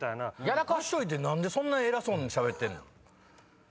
やらかしといて何でそんな偉そうにしゃべってんの？